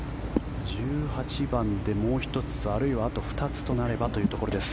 １８番でもう１つあるいは、あと２つとなればというところです。